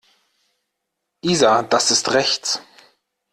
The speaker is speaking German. Isa, das ist rechts.